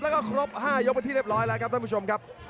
แล้วก็ครบ๕ยกเป็นที่เรียบร้อยแล้วครับท่านผู้ชมครับ